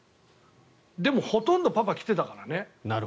でも、ほとんどパパ、来てたからね。